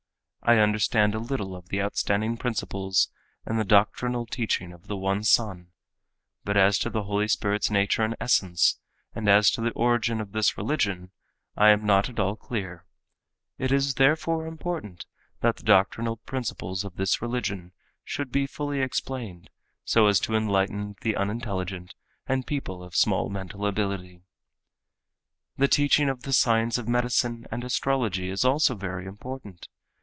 I understand a little of the outstanding principles and the doctrinal teaching of the One Son, but as to the Holy Spirit's nature and essence, and as to the origin of this religion, I am not at all clear, and it is therefore important that the doctrinal principles of this religion should be fully explained, so as to enlighten the unintelligent and people of small mental ability. "The teaching of the science of medicine and astrology is also very important.